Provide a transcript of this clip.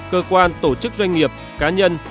hai cơ quan tổ chức doanh nghiệp cá nhân